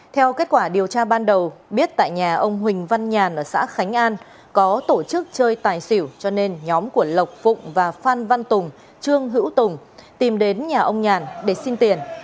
theo kết quả điều tra ban đầu biết tại nhà ông huỳnh văn nhàn ở xã khánh an có tổ chức chơi tài xỉu cho nên nhóm của lộc phụng và phan văn tùng trương hữu tùng tìm đến nhà ông nhàn để xin tiền